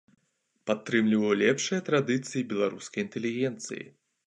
Падтрымліваў лепшыя традыцыі беларускай інтэлігенцыі.